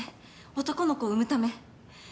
男の子を産むため？